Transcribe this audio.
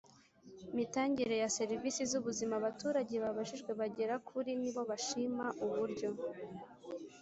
Mitangire ya serivisi z ubuzima abaturage babajijwe bagera kuri nibo bashima uburyo